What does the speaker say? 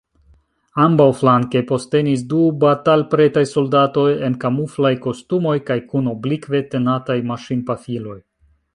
Ambaŭflanke postenis du batalpretaj soldatoj en kamuflaj kostumoj kaj kun oblikve tenataj maŝinpafiloj.